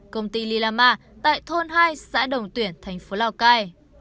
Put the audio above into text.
công ty lilama tại thôn hai xã đồng tuyển thành phố lào cai